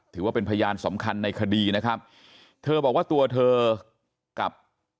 ถือว่าเป็นพยานสำคัญในคดีนะครับเธอบอกว่าตัวเธอกับ